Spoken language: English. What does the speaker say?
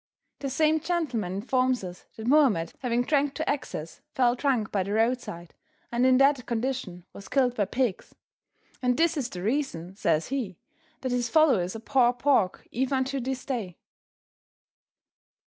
The same gentleman informs us that Mohammed having drank to excess fell drunk by the roadside, and in that condition was killed by pigs. And this is the reason, says he, that his followers abhor pork even unto this day.